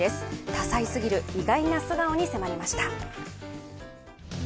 多才すぎる意外な素顔に迫りました。